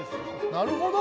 なるほど。